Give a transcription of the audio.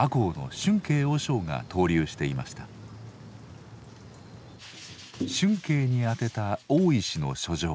俊恵に宛てた大石の書状。